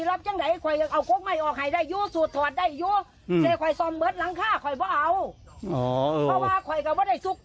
อ่ะใช่ลองไปดูสิครับ